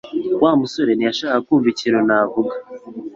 Wa musore ntiyashakaga kumva ikintu navuga